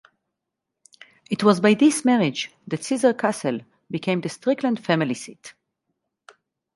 It was by this marriage that Sizergh Castle became the Strickland family seat.